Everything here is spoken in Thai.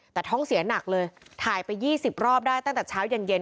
แต่ท้องเสียหนักเลยถ่ายไป๒๐รอบได้ตั้งแต่เช้าเย็น